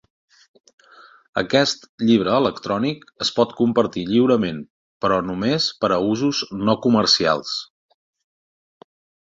Aquest llibre electrònic es pot compartir lliurement però només per a usos no comercials.